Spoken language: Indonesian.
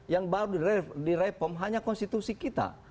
yang baru direpom hanya konstitusi kita